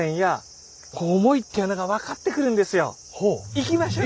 いきましょう。